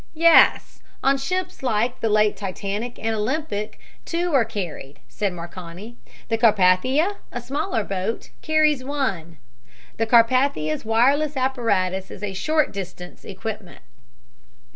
"Yes, on ships like the late Titanic and Olympic two are carried," said Marconi. "The Carpathia, a smaller boat, carries one. The Carpathia's wireless apparatus is a short distance equipment."